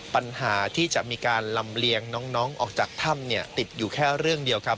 ปัญหาที่จะมีการลำเลียงน้องออกจากถ้ำเนี่ยติดอยู่แค่เรื่องเดียวครับ